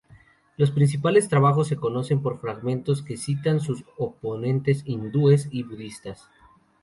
Los principales trabajos se conocen por fragmentos que citan sus oponentes hindúes y budistas.